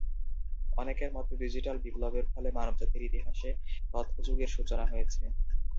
অনেকের মতে ডিজিটাল বিপ্লবের ফলে মানবজাতির ইতিহাসে তথ্য যুগের সূচনা হয়েছে।